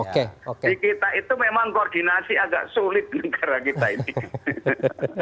di kita itu memang koordinasi agak sulit negara kita ini